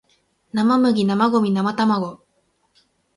生麦生ゴミ生卵